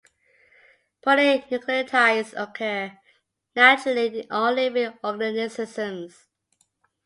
Polynucleotides occur naturally in all living organisms.